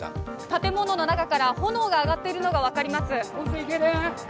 建物の中から炎が上がっているのが分かります。